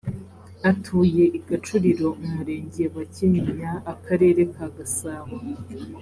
atuye i gacuriro umurenge wa kinyinya akarere ka gasabo